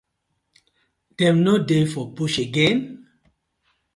Dem no dey for bush again?